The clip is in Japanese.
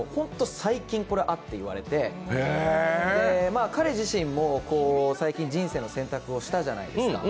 最近、会って言われて、彼自身も最近、人生の選択をしたじゃないですか。